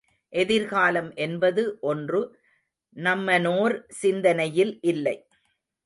எதிர்காலம் என்பது ஒன்று நம்மனோர் சிந்தனையில் இல்லை.